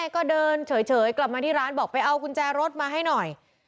ก็เดินเฉยกลับมาที่ร้านบอกไปเอากุญแจรถมาให้หน่อย